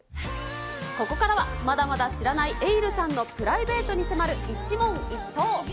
ここからは、まだまだ知らないエイルさんのプライベートに迫る一問一答。